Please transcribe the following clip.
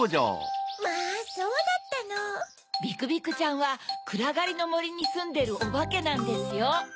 ・まぁそうだったの・ビクビクちゃんはくらがりのもりにすんでるオバケなんですよ。